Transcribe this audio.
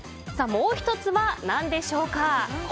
もう１つは何でしょうか。